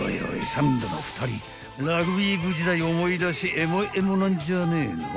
［ラグビー部時代を思い出しエモエモなんじゃねえの？］